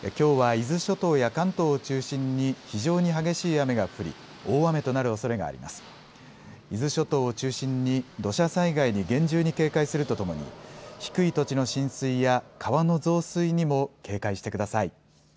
伊豆諸島を中心に土砂災害に厳重に警戒するとともに低い土地の浸水や川の増水にも警戒してください。